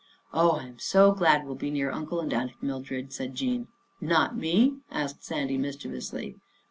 " Oh, I'm so glad, we'll be near Uncle and Aunt Mildred," said Jean. " Not me? " asked Sandy mischievously.